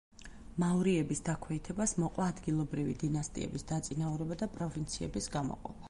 მაურიების დაქვეითებას მოყვა ადგილობრივი დინასტიების დაწინაურება და პროვინციების გამოყოფა.